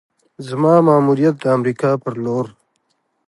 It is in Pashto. زما ماموریت د امریکا پر لور: